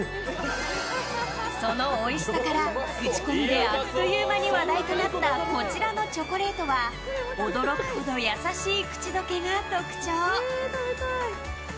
そのおいしさから口コミであっという間に話題となったこちらのチョコレートは驚くほど優しい口溶けが特徴。